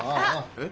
えっ？